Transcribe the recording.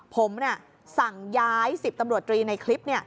ผมสั่งย้าย๑๐ตำรวจตรีในคลิป